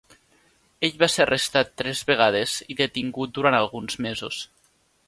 Ell va ser arrestat tres vegades i detingut durant alguns mesos.